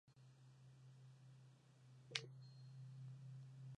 En la catedral de Cuenca, realizó las estatuas del retablo del altar mayor.